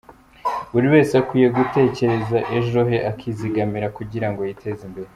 Buri wese akwiye gutekereza ejo he akizigamira kugira ngo yiteze imbere.